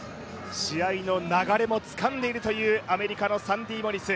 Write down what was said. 試合の流れもつかんでいるというアメリカのサンディ・モリス。